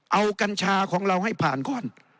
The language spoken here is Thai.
เอากัญชาของเราให้ผ่านก่อน